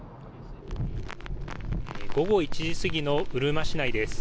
午後１時過ぎのうるま市内です。